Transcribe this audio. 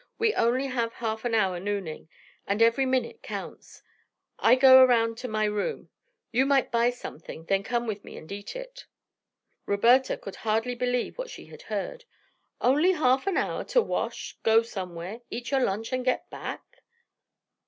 We only have half an hour nooning, and every minute counts. I go around to my room. You might buy something, then come with me and eat it." Roberta could hardly believe what she had heard. "Only half an hour to wash, go somewhere, eat your lunch and get back?